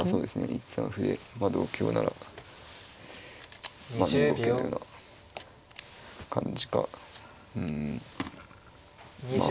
１三歩で同香なら２五桂のような感じかうんまあ